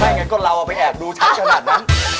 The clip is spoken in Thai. อย่างนั้นก็เราไปแอบดูชัดขนาดนั้น